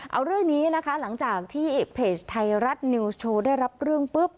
เอาเรื่องนี้นะคะหลังจากที่เพจไทยรัฐนิวส์โชว์ได้รับเรื่องปุ๊บ